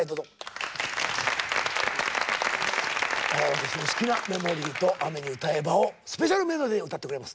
私の好きな「メモリー」と「雨に唄えば」をスペシャルメドレーで歌ってくれます。